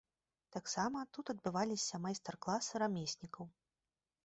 Таксама тут адбываліся майстар-класы рамеснікаў.